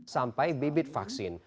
sampai bibit vaksin